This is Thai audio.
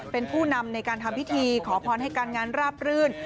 เป็นผู้นำในการทำพิธีขอพรให้การงานราบรื่น